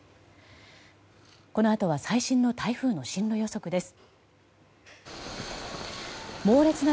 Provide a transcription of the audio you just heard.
このあとは最新の台風の進路予測です。